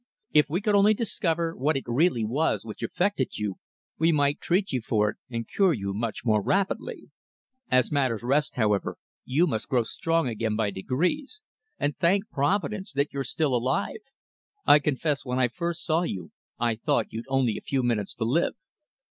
If we could only discover what it really was which affected you, we might treat you for it and cure you much more rapidly. As matters rest, however, you must grow strong again by degrees, and thank Providence that you're still alive. I confess when I first saw you, I thought you'd only a few minutes to live."